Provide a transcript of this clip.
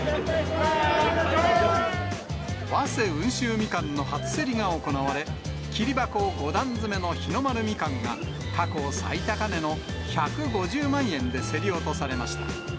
早生温州ミカンの初競りが行われ、きり箱５段詰めの日の丸みかんが、過去最高値の１５０万円で競り落とされました。